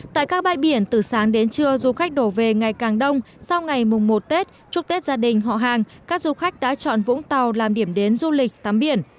tại các bãi biển từ sáng đến trưa du khách đổ về ngày càng đông sau ngày mùng một tết chúc tết gia đình họ hàng các du khách đã chọn vũng tàu làm điểm đến du lịch tắm biển